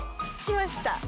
きました